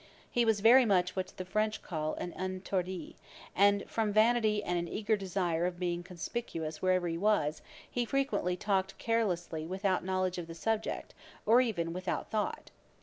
He was very much what the French call un etourdi, and from vanity and an eager desire of being conspicuous wherever he was, he frequently talked carelessly without knowledge of the subject, or even without thought.